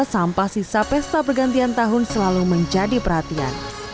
sampah sisa pesta pergantian tahun selalu menjadi perhatian